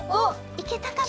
いけたかな？